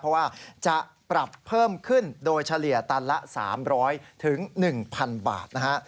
เพราะว่าจะปรับเพิ่มขึ้นโดยเฉลี่ยตันละ๓๐๐๑๐๐๐บาทนะฮะ